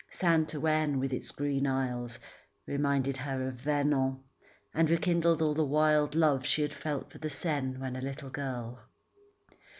Saint Ouen, with its green isles, reminded her of Vernon, and rekindled all the wild love she had felt for the Seine when a little girl.